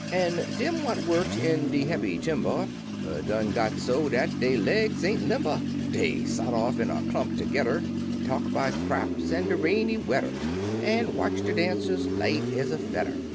An' dtm what worked in de heavy timber Er done got so ol' dat dey legs ain't limber; Dey sot off in a clump tergedder, An* talk about craps an' de rainy wedder, An' watch de dancers light ez a fedder.